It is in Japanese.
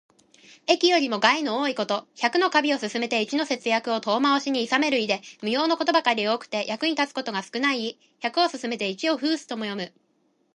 益よりも害の多いこと。百の華美を勧めて一の節約を遠回しにいさめる意で、無用のことばかり多くて、役に立つことが少ない意。「百を勧めて一を諷す」とも読む。